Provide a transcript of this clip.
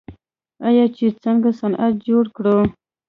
آیا چې څنګه صنعت جوړ کړو؟